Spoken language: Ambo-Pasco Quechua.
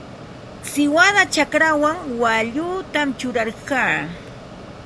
Siwada chakrachaw waallutam churarqaa.